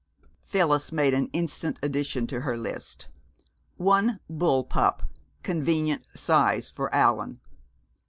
Phyllis made an instant addition to her list. "One bull pup, convenient size, for Allan."